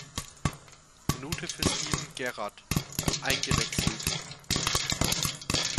Minute für Steven Gerrard eingewechselt.